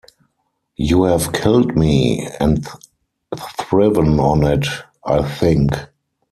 You have killed me — and thriven on it, I think.